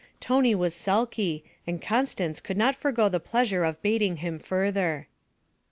Tony was sulky, and Constance could not forgo the pleasure of baiting him further.